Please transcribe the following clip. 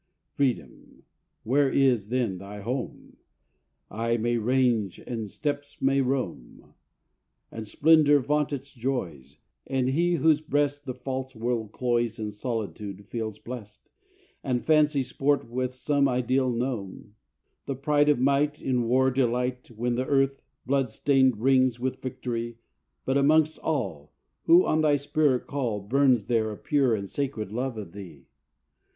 Freedom, where is then thy home? Eye may range and steps may roam, And splendour vaunt its joys, And he whose breast The false world cloys In solitude feel blest, And fancy sport with some ideal gnome; The pride of might, in war delight, When the earth, bloodstained, rings with victory, But, amongst all, who on thy spirit call, Burns there a pure and sacred love of thee?